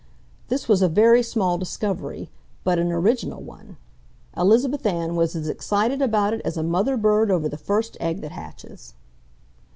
This was a very small discovery, but an original one. Elizabeth Ann was as excited about it as a mother bird over the first egg that hatches.